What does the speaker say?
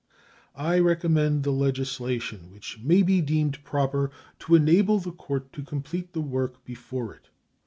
I recommend the legislation which may be deemed proper to enable the court to complete the work before it.